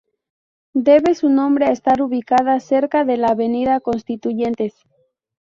Debe su nombre a estar ubicada cerca de la Avenida Constituyentes.